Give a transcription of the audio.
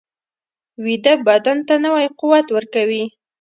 ویده بدن ته نوی قوت ورکوي